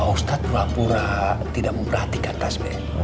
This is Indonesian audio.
ustadz wapura tidak memperhatikan tas b